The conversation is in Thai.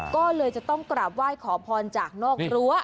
ก็เลยจะต้องกราบไหว้ขอพรจากนอกรั้ว